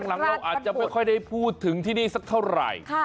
หลังเราอาจจะไม่ค่อยได้พูดถึงที่นี่สักเท่าไหร่